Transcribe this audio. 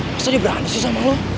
maksudnya dia berani sih sama lo